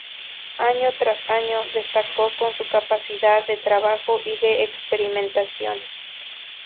Año tras año destacó por su capacidad de trabajo y de experimentación.